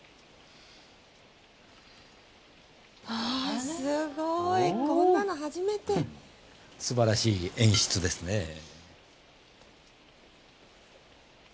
ああすごいこんなの初めて。素晴らしい演出ですねえ。